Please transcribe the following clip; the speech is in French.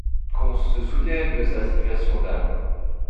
Qu’on se souvienne de sa situation d’âme.